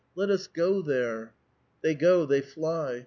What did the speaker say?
'' Let us go there." They go, they fly.